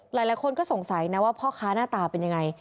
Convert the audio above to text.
หลายคนก็สงสัยนะว่าพ่อค้าหน้าตาเป็นยังไง